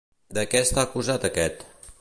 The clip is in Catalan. De què està acusat aquest?